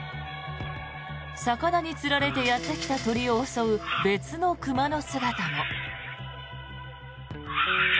魚につられてやってきた鳥を襲う別の熊の姿も。